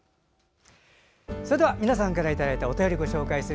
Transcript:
それでは皆さんからいただいたお便りご紹介します。